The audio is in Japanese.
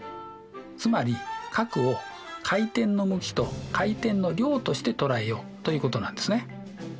つまり角を回転の向きと回転の量としてとらえようということなんですね。